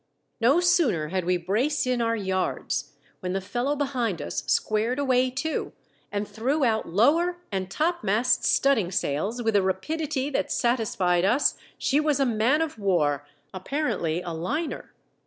No sooner had we braced in our yards, when the fellow behind us squared away too, and threw out lower and topmast studd ing sails with a rapidity that satisfied us she was a man of war, apparently a liner.